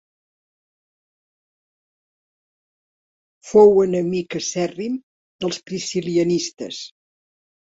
Fou enemic acèrrim dels priscil·lianistes.